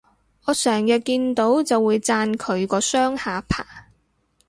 我成日見到就會讚佢個雙下巴